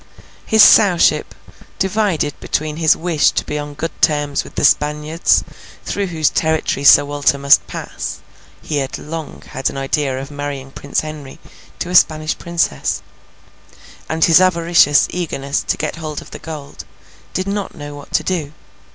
His Sowship, divided between his wish to be on good terms with the Spaniards through whose territory Sir Walter must pass (he had long had an idea of marrying Prince Henry to a Spanish Princess), and his avaricious eagerness to get hold of the gold, did not know what to do.